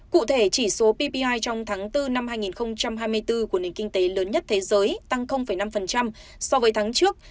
cụ thể chỉ số ppi trong tháng bốn năm hai nghìn hai mươi bốn của nền kinh tế lớn nhất thế giới tăng năm so với tháng trước